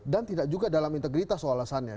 dan tidak juga dalam integritas soal asannya